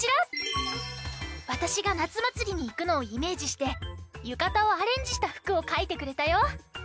わたしがなつまつりにいくのをイメージしてゆかたをアレンジしたふくをかいてくれたよ。